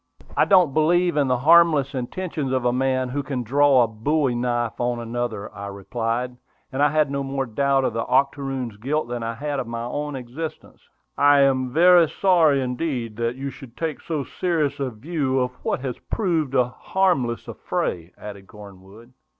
"I don't believe in the harmless intentions of a man who can draw a bowie knife on another," I replied; and I had no more doubt of the octoroon's guilt than I had of my own existence. "I am very sorry indeed that you should take so serious a view of what has proved a harmless affray," added Cornwood.